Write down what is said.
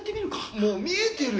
もう見えてるよ